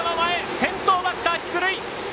先頭バッター出塁！